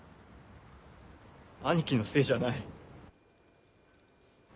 兄貴のせいじゃない。